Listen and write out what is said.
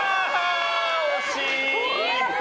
惜しい！